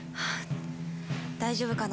大丈夫かな。